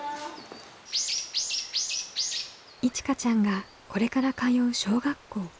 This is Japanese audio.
いちかちゃんがこれから通う小学校。